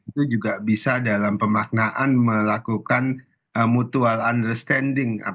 itu juga bisa dalam pemaknaan melakukan mutual understanding